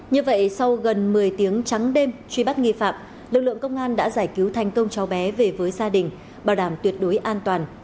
như vậy sau gần một mươi tiếng trắng đêm truy bắt nghi phạm lực lượng công an đã giải cứu thành công cháu bé về với gia đình bảo đảm tuyệt đối an toàn